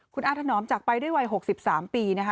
คุณอาถนอมจากไปด้วยวัย๖๓ปีนะคะ